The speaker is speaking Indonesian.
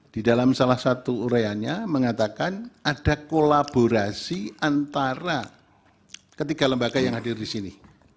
di dalam salah satu ureanya mengatakan ada kolaborasi antara ketiga lembaga yang hadir di sini